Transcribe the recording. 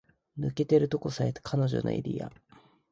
抜けてるとこさえ彼女のエリア